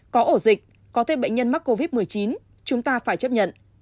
có ổ dịch có thêm bệnh nhân mắc covid một mươi chín chúng ta phải chấp nhận